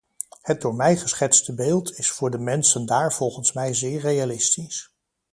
Het door mij geschetste beeld is voor de mensen daar volgens mij zeer realistisch.